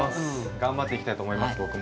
頑張っていきたいと思います僕も。